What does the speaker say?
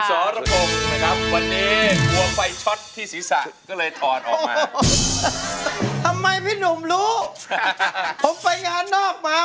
คุณสรพงศ์นะครับวันนี้กลัวไฟช็อตที่ศีรษะก็เลยถอดออกมา